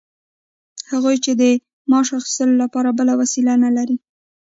هغوی چې د معاش اخیستلو لپاره بله وسیله نلري